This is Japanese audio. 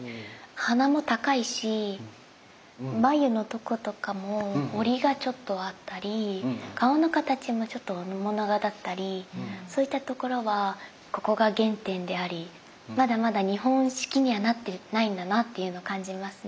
鼻も高いし眉のとことかもホリがちょっとあったり顔の形もちょっと面長だったりそういったところはここが原点でありまだまだ日本式にはなってないんだなっていうのを感じますね。